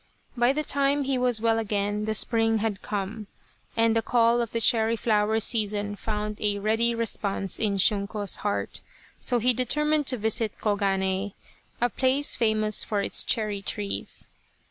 By the time he was well again the spring had come, and the call of the cherry flower season found a ready response in Shunko's heart, so he determined to visit Koganei, a place famous for its cherry trees.